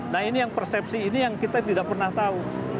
nah ini yang persepsi ini yang kita tidak pernah tahu